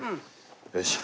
よいしょ。